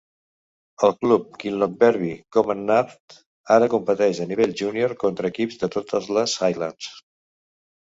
El club Kinlochbervie Camanachd ara competeix a nivell júnior contra equips de totes les Highlands.